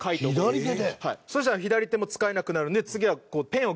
そしたら左手も使えなくなるので。